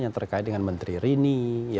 yang terkait dengan menteri rini